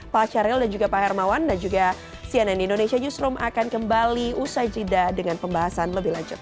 pak syahril dan juga pak hermawan dan juga cnn indonesia newsroom akan kembali usai jeda dengan pembahasan lebih lanjut